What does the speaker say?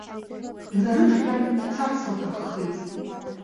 Днарыдҟьан дцарц лҭаххеит.